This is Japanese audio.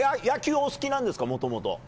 野球、お好きなんですかもともと。